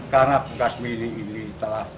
karena kasmini ini telah